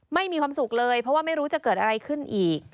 ไม่มีความสุขเลยเพราะว่าไม่รู้จะเกิดอะไรขึ้นอีก